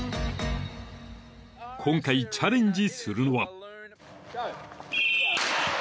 ［今回チャレンジするのは］